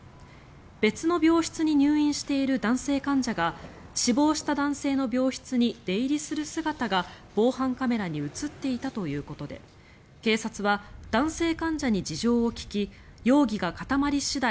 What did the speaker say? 別の病室に入院している男性患者が死亡した男性の病室に出入りする姿が防犯カメラに映っていたということで警察は、男性患者に事情を聴き容疑が固まり次第